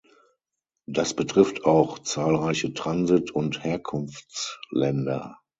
Das betrifft auch zahlreiche Transit- und Herkunftsländer.